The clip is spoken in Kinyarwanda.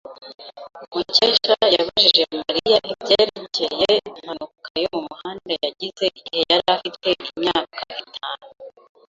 Mukesha yabajije Mariya ibyerekeye impanuka yo mu muhanda yagize igihe yari afite imyaka itanu.